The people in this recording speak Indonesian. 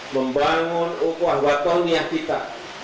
membangun ukwah watongiah kita